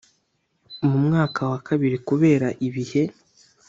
mu mwaka wa kabiri kubera ibihe